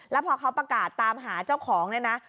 แล้วพอเขาประกาศตามหาเจ้าของเนี่ยนะ